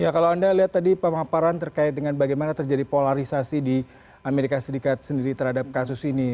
ya kalau anda lihat tadi pemaparan terkait dengan bagaimana terjadi polarisasi di amerika serikat sendiri terhadap kasus ini